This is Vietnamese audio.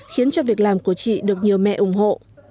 khiến cho việc làm của chị được nhiều mẹ ủng hộ